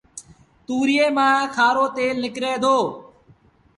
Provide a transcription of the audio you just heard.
تُوريئي مآݩ کآرو تيل نڪري دو